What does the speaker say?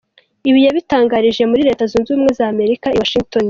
Ibi yabitangarije muri Leta Zunze Ubumwe za Amerika i Washington, D.